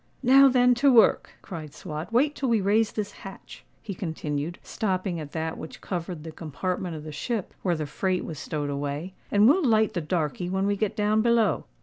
"Now then to work," cried Swot. "Wait till we raise this hatch," he continued, stopping at that which covered the compartment of the ship where the freight was stowed away; "and we'll light the darkey when we get down below.